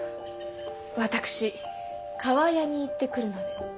私厠に行ってくるので。